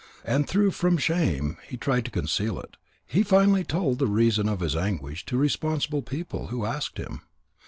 And though from shame he tried to conceal it, he finally told the reason of his anguish to responsible people who asked him.